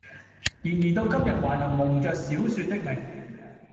然而到今日還能蒙着小說的名，